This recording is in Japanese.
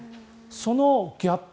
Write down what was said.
そのギャップ。